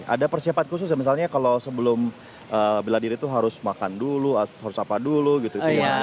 ada persiapan khusus ya misalnya kalau sebelum bela diri itu harus makan dulu harus apa dulu gitu